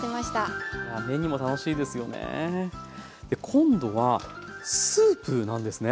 今度はスープなんですね。